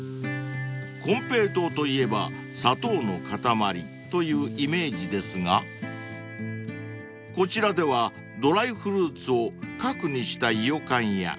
［コンペイトーといえば砂糖のかたまりというイメージですがこちらではドライフルーツを核にした］